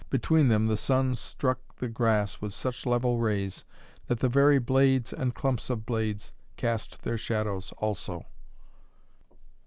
Between them the sun struck the grass with such level rays that the very blades and clumps of blades cast their shadows also.